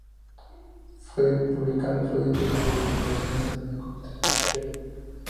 Sigue publicando folletos y libros: "Observaciones sobre la contestación del Rev.